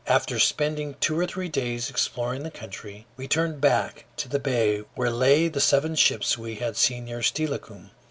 After spending two or three days exploring the country, we turned back to the bay where lay the seven ships we had seen near Steilacoom.